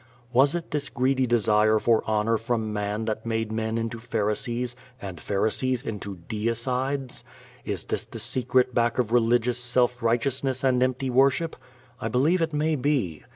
Was it this greedy desire for honor from man that made men into Pharisees and Pharisees into Deicides? Is this the secret back of religious self righteousness and empty worship? I believe it may be.